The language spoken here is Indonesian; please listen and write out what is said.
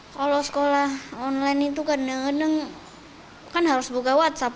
kalau sekolah online itu kan neng neng kan harus buka whatsapp